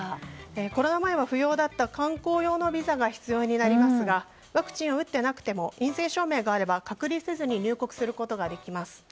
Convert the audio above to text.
コロナ前は不要だった観光用のビザが必要になりますがワクチンを打っていなくても陰性証明があれば隔離せずに入国することができます。